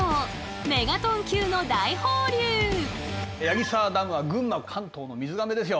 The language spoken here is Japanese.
矢木沢ダムは群馬関東の水がめですよ。